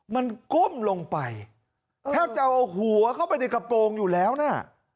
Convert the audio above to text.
มันก้มลงไปแทบจะเอาหัวเข้าไปในกระโปรงอยู่แล้วน่ะ